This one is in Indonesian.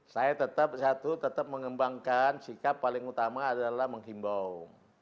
saya tetap satu tetap mengembangkan sikap paling utama adalah menghimbau